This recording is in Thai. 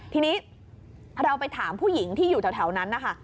ทีนี้เราไปถามผู้หญิงที่อยู่แถวนั้นนะคะ